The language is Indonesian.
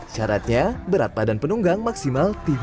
syaratnya berat badan penunggang maksimal tiga puluh kg